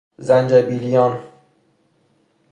زنجبیلیان